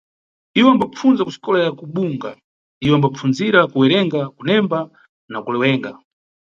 Iwo ambapfundza kuxikola ya kuBunga, iwo ambapfundzira kuwerenga, kunemba na kulewenga.